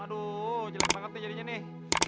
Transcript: aduh jelek banget nih jadinya nih